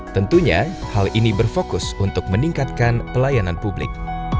tentunya hal ini berfokus untuk meningkatkan pelayanan publik